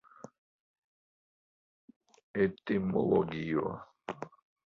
etimologio